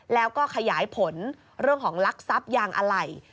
แล้วก็ขยายผลเรื่องของลักษัพยางอะไหล่